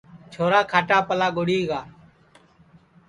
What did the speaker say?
چھورا کھاٹاپاݪا گُڑی گا